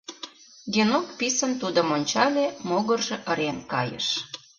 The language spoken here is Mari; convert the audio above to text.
Генок писын тудым ончале, могыржо ырен кайыш...